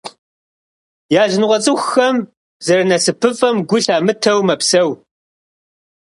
Языныкъуэ цӏыхухэм зэрынасыпыфӏэм гу лъамытэу мэпсэу.